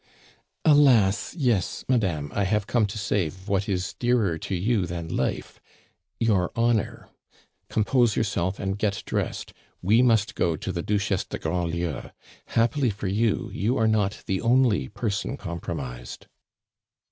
"Alas, yes, madame, I have come to save what is dearer to you than life your honor. Compose yourself and get dressed, we must go to the Duchesse de Grandlieu; happily for you, you are not the only person compromised."